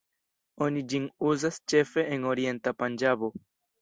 Oni ĝin uzas ĉefe en orienta Panĝabo.